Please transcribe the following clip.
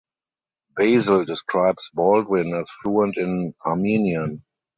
Basil describes Baldwin as fluent in Armenian.